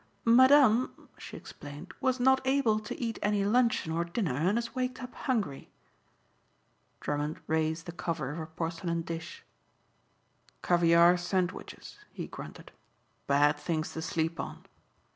"Madame," she explained, "was not able to eat any luncheon or dinner and has waked up hungry." Drummond raised the cover of a porcelain dish. "Caviare sandwiches," he grunted, "bad things to sleep on."